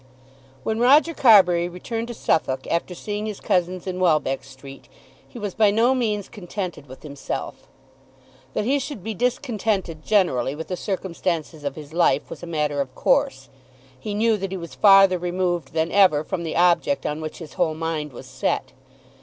When Roger Carbury returned to Suffolk, after seeing his cousins in Welbeck Street, he was by no means contented with himself. That he should be discontented generally with the circumstances of his life was a matter of course. He knew that he was farther removed than ever from the object on which his whole mind was set.